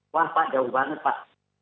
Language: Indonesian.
wah pak jauh banget pak